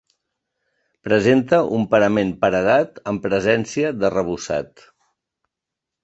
Presenta un parament paredat amb presència d'arrebossat.